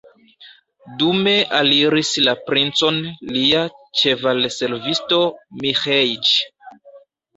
Dume aliris la princon lia ĉevalservisto Miĥeiĉ.